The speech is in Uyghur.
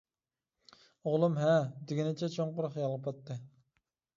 ئوغلۇم «ھە. » دېگىنىچە چوڭقۇر خىيالغا پاتتى.